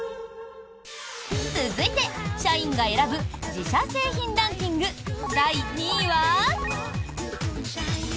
続いて、社員が選ぶ自社製品ランキング、第２位は？